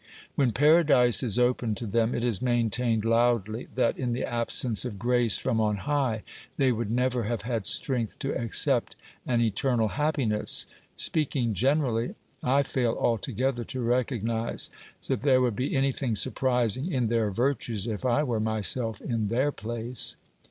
When paradise is opened to them, it is maintained loudly that, in the absence of grace from on high, they would never have had strength to accept an eternal happiness. Speak ing generally, I fail altogether to recognise that there would be anything surprising in their virtues if I were myself in their place.